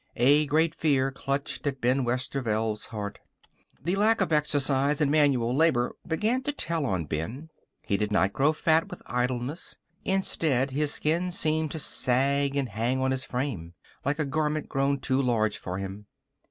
A great fear clutched at Ben Westerveld's heart. The lack of exercise and manual labor began to tell on Ben. He did not grow fat from idleness. Instead his skin seemed to sag and hang on his frame, like a garment grown too large for him.